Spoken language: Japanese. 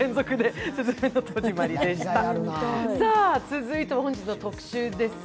続いては本日の特集です。